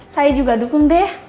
saya juga dukung deh